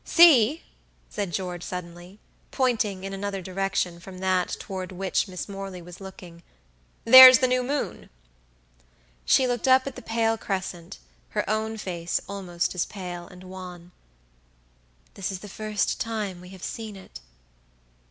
"See!" said George, suddenly, pointing in another direction from that toward which Miss Morley was looking, "there's the new moon!" She looked up at the pale crescent, her own face almost as pale and wan. "This is the first time we have seen it."